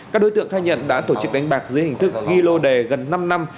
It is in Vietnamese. các đối tượng khai nhận đã tổ chức đánh bạc dưới hình thức ghi lô đề gần năm năm